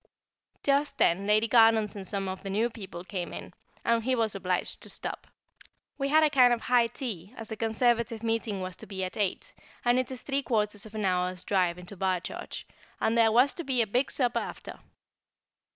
Just then Lady Garnons and some of the new people came in, and he was obliged to stop. We had a kind of high tea, as the Conservative meeting was to be at eight, and it is three quarters of an hour's drive into Barchurch, and there was to be a big supper after.